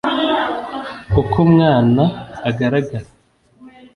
Uko umwana agaragara